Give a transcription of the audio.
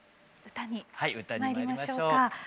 歌にまいりましょうか。